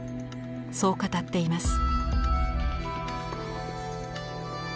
そう語っています。